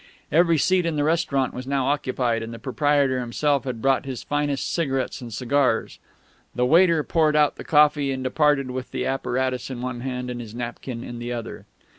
Every seat in the restaurant was now occupied, and the proprietor himself had brought his finest cigarettes and cigars. The waiter poured out the coffee, and departed with the apparatus in one hand and his napkin in the other.